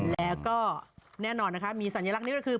แล้วก็แน่นอนนะคะมีสัญลักษณ์นี้ก็คือ